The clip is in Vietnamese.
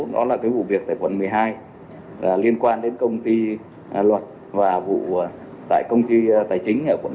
đó là cái vụ việc tại quận một mươi hai liên quan đến công ty luật và vụ tại công ty tài chính ở quận một